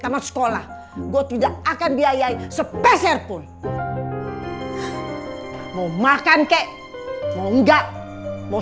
tamat sekolah gua tidak akan biayain sepeserpun mau makan kek mau enggak mau